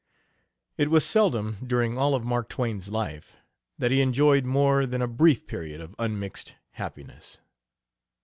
It was seldom, during all of Mark Twain's life, that he enjoyed more than a brief period of unmixed happiness.